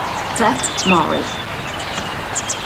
Seth Morris